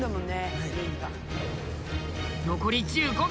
残り１５秒。